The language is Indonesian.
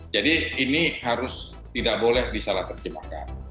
jadi ini harus tidak boleh disalah terjemahkan